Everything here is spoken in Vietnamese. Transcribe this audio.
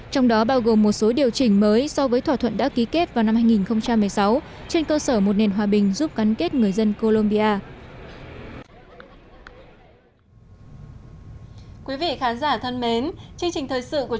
trong đó bao gồm một số điều chỉnh mới so với thỏa thuận đã ký kết vào năm hai nghìn một mươi sáu trên cơ sở một nền hòa bình giúp cắn kết người dân colombia